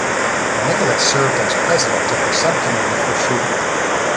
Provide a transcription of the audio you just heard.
Nicholas served as president of the Sub-Committee for Shooting.